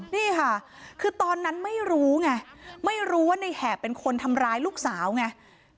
นี่ค่ะคือตอนนั้นไม่รู้ไงไม่รู้ว่าในแหบเป็นคนทำร้ายลูกสาวไง